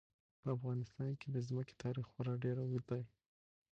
په افغانستان کې د ځمکه تاریخ خورا ډېر اوږد دی.